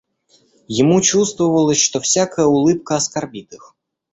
Ему чувствовалось, что всякая улыбка оскорбит их.